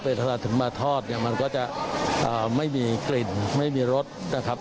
เป็นทราบถึงมาทอดมันก็จะไม่มีกลิ่นไม่มีรสนะครับ